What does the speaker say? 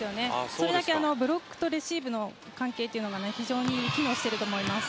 それだけブロックとレシーブの関係が非常に機能していると思います。